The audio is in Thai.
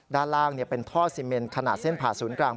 ด้านล่างเป็นท่อซีเมนขนาดเส้นผ่าศูนย์กลาง